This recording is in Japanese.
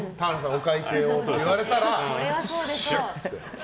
お会計って言われたらシュッて。